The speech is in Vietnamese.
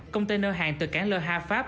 container hàng từ cảng lơ ha pháp